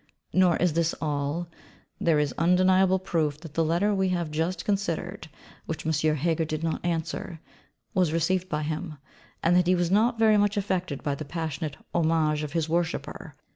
Nor is this all; there is undeniable proof that the letter we have just considered (which M. Heger did not answer) was received by him: and that he was not very much affected by the passionate homage of his worshipper.